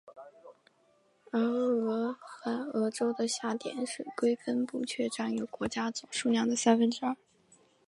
而俄亥俄州的星点水龟分布却占有国家总数量的三分之二。